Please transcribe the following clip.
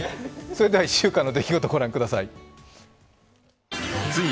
それでは１週間の出来事、ご覧ください。